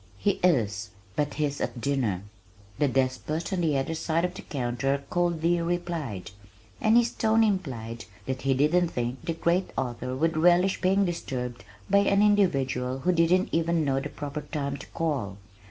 "He is, but he's at dinner," the despot on the other side of the counter coldly replied, and his tone implied that he didn't think the great author would relish being disturbed by an individual who didn't even know the proper time to call.